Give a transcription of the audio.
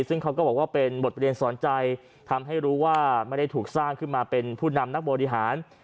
ซึ่งเขาก็บอกว่าเป็นบทเรียนสอนใจทำให้รู้ว่าไม่ได้ถูกสร้างขึ้นมาเป็นผู้นำนักบริหาร